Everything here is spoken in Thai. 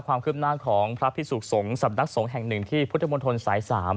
ความคืบหน้าของพระพิสุขสงฆ์สำนักสงฆ์แห่งหนึ่งที่พุทธมนตรสาย๓